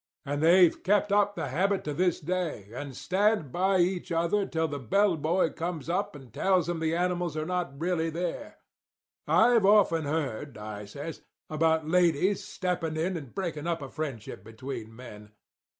And they've kept up the habit to this day, and stand by each other till the bellboy comes up and tells them the animals are not really there. I've often heard,' I says, 'about ladies stepping in and breaking up a friendship between men.